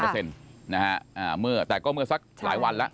แต่ก็เมื่อสักหลายวันแล้ว